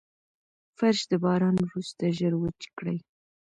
فرش د باران وروسته ژر وچ کړئ.